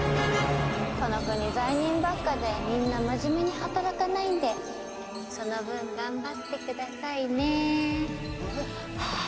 この国罪人ばっかでみんな真面目に働かないんでその分頑張ってくださいね。